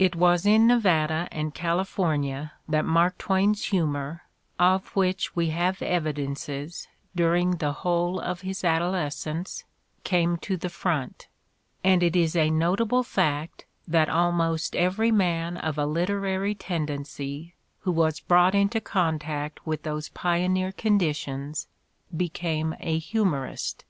198 Mark Twain's Humor 199 It was in Nevada and California that Mark Twain's humor, of which we have evidences during the whole of his adolescence, came to the front; and it is a nota ble fact that almost every man of a literary tendency who was brought into contact with those pioneer condi tions became a humorist.